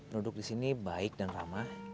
duduk di sini baik dan ramah